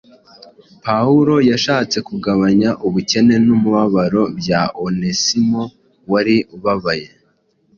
Pawulo yashatse kugabanya ubukene n’umubabaro bya Onesimo wari ubabaye,